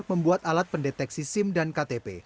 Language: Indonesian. membuat alat pendeteksi sim dan ktp